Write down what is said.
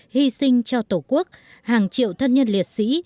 hy sinh cho tổ quốc hàng triệu thân nhân liệt sĩ